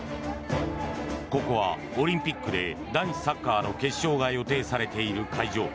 ここは、オリンピックで男子サッカーの決勝が予定されている会場。